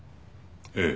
ええ。